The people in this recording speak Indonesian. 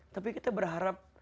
tapi kita berharap